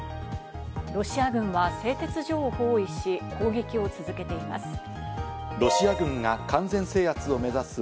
ロシア軍は製鉄所を包囲し攻撃を続けています。